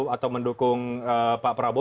atau mendukung pak prabowo